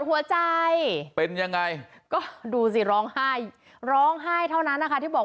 หัวใจเป็นยังไงก็ดูสิร้องไห้ร้องไห้เท่านั้นนะคะที่บอก